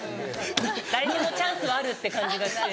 誰にもチャンスはあるって感じがして。